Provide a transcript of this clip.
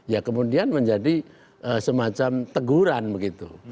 ya kemudian menjadi semacam teguran begitu